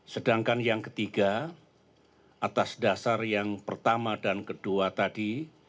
sedangkan yang ketiga atas dasar yang pertama dan kedua tadi